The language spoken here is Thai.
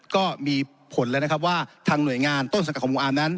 ก็มีผลแล้วว่าใช้หน่วยงานต้นสังกะของโครงค์อาร์มนั้น